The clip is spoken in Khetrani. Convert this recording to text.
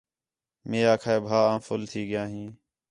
مے آکھا ہے بھا آں فُل تھی ڳِیا ہیں